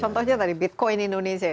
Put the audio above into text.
contohnya tadi bitcoin indonesia ya